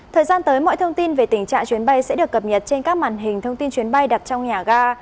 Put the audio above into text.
thời gian tới mọi thông tin về tình trạng chuyến bay sẽ được cập nhật trên các màn hình thông tin chuyến bay đặt trong nhà ga